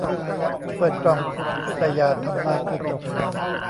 เปิดกล่องแต่อย่าทำลายกระจก